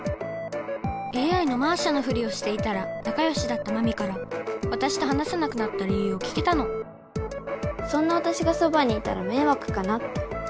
ＡＩのマーシャのフリをしていたら仲よしだったまみからわたしと話さなくなった理ゆうを聞けたのそんなわたしがそばにいたらめいわくかなって。